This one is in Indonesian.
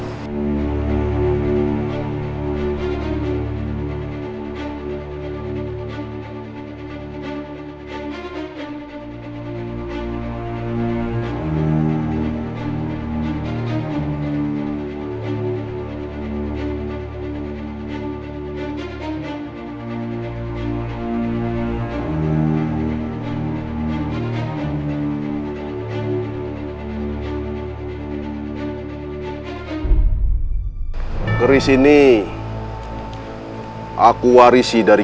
aku akan mencari